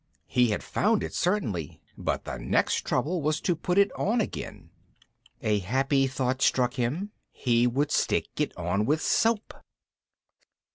He had found it certainly, but the next trouble was to put it on again. A happy thought struck him; he would stick it on with soap!